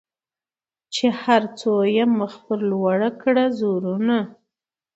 چي هر څو یې مخ پر لوړه کړه زورونه